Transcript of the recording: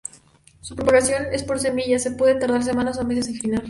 Su propagación es por semillas, que pueden tardar semanas o meses en germinar.